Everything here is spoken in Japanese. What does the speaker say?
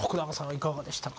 いかがでしたか？